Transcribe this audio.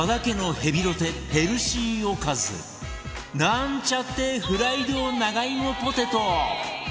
ヘルシーおかずなんちゃってフライド長芋ポテト